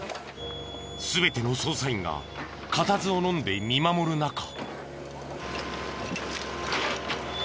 全ての捜査員が固唾をのんで見守る中。